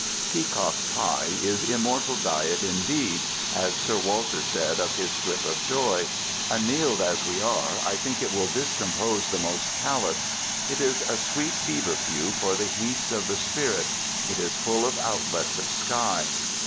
"Peacock Pie" is immortal diet indeed, as Sir Walter said of his scrip of joy. Annealed as we are, I think it will discompose the most callous. It is a sweet feverfew for the heats of the spirit, It is full of outlets of sky.